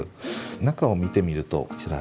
中を見てみるとこちらですね。